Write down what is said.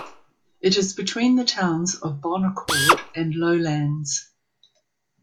It is between the towns of Bon Accord and Lowlands.